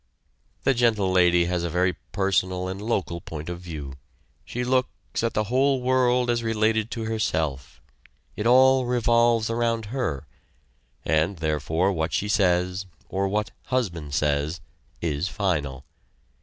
The Gentle Lady has a very personal and local point of view. She looks, at the whole world as related to herself it all revolves around her, and therefore what she says, or what "husband" says, is final.